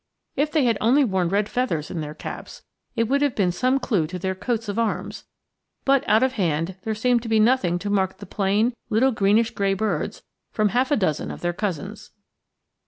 If they had only worn red feathers in their caps, it would have been some clue to their coats of arms; but, out of hand, there seemed to be nothing to mark the plain, little, greenish gray birds from half a dozen of their cousins.